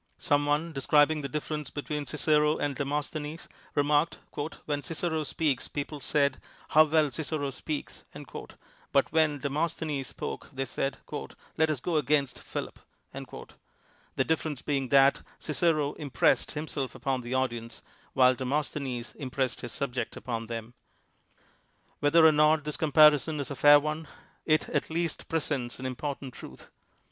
Some one, in describing the difference between Cicero and Demosthenes, remarked : "When Cicero spoke people said: 'How well Cic ero speaks!' but when Demosthenes spoke they said, 'Let us go against Philip.' "— the difference being that Cicero impressed himself upon the audience, while Demosthenes impressed his sub ject upon them. Whether or not this compar ison be a fair one, it at least presents an im portant truth.